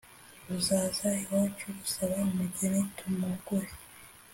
Uzaza iwacu gusaba umugeni tumuguhe